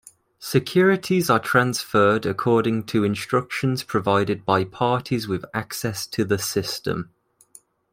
Securities are transferred according to instructions provided by parties with access to the system.